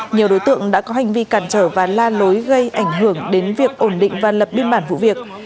nhiều đối tượng đã có hành vi cản trở và la lối gây ảnh hưởng đến việc ổn định và lập biên bản vụ việc